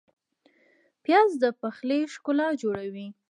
پیاز د پخلي ښکلا جوړوي